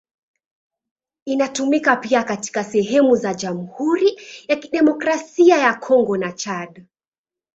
Inatumika pia katika sehemu za Jamhuri ya Kidemokrasia ya Kongo na Chad.